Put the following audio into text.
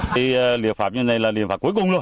thì liệu phạm như thế này là liệu phạm cuối cùng luôn